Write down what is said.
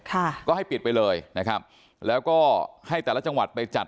ค่ะก็ให้ปิดไปเลยนะครับแล้วก็ให้แต่ละจังหวัดไปจัด